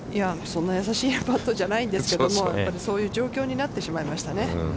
そんな優しいパットじゃないんですけども、やっぱりそういう状況になってしまいましたね。